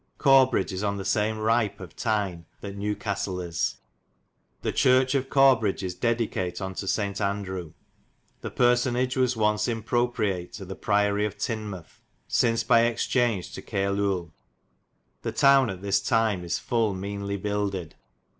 Corbridge is on the same ripe of Tine that New Cas telle is. The chirch of Corbridge is dedicate onto S. Andre. The personage was ons impropriate to the Priory of Tin mouth, sins by exchaunge to Cairluel. The toune at this tyme is ful meanely buildid.